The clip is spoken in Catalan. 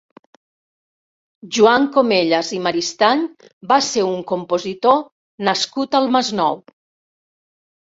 Joan Comellas i Maristany va ser un compositor nascut al Masnou.